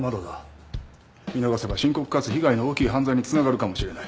見逃せば深刻かつ被害の大きい犯罪に繋がるかもしれない。